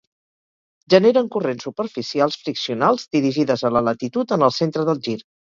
Generen corrents superficials friccionals dirigides a la latitud en el centre del gir.